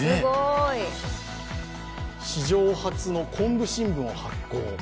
「史上初の昆布新聞を発行」